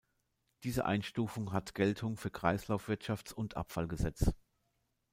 Diese Einstufung hat Geltung für Kreislaufwirtschafts- und Abfallgesetz.